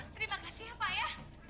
terima kasih ya pak ya